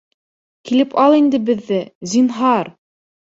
Килеп ал инде беҙҙе, зинһар.